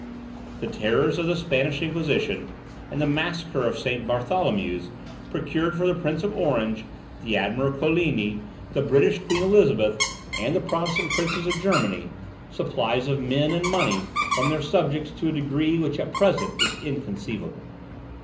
The terrors of the Spanish Inquisition, and the massacre of St. Bartholomew's, procured for the Prince of Orange, the Admiral Coligny, the British Queen Elizabeth, and the Protestant princes of Germany, supplies of men and money from their subjects, to a degree which at present is inconceivable.